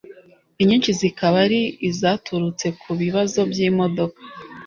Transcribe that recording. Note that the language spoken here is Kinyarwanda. inyinshi zikaba ari izaturutse ku bibazo by’imodoka